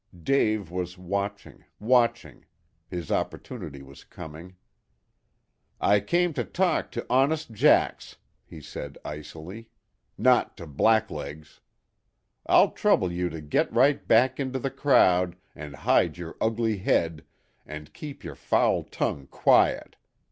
Dave was watching, watching. His opportunity was coming. "I came to talk to honest 'jacks,'" he said icily, "not to blacklegs. I'll trouble you to get right back into the crowd, and hide your ugly head, and keep your foul tongue quiet.